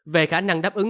về khả năng đáp ứng